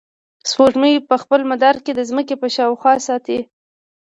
سپوږمۍ په خپل مدار کې د ځمکې په شاوخوا ساتي.